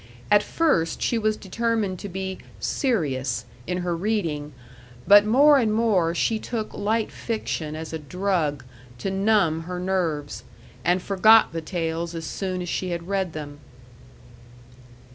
At first she was determined to be "serious" in her reading, but more and more she took light fiction as a drug to numb her nerves and forgot the tales as soon as she had read them.